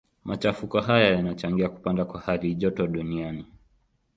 Machafuko hayo yanachangia kupanda kwa halijoto duniani.